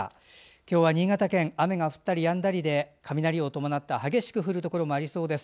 今日は新潟県、雨が降ったりやんだりで雷を伴って激しく降るところもありそうです。